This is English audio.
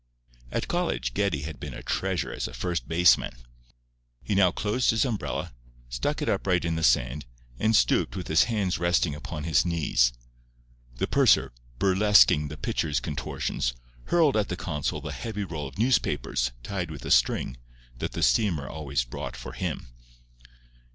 At college Geddie had been a treasure as a first baseman. He now closed his umbrella, stuck it upright in the sand, and stooped, with his hands resting upon his knees. The purser, burlesquing the pitcher's contortions, hurled at the consul the heavy roll of newspapers, tied with a string, that the steamer always brought for him.